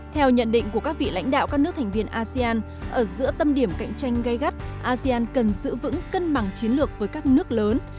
theo nhận định của các vị lãnh đạo các nước thành viên asean ở giữa tâm điểm cạnh tranh gây gắt asean cần giữ vững cân bằng chiến lược với các nước lớn